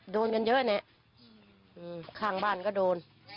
โดนกันเหยิดนะข้างบ้านก็โดน